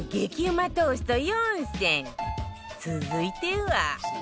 続いては